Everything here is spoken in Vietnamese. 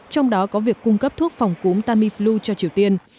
trong đó có việc cung cấp thuốc phòng cúm tamiflu cho triều tiên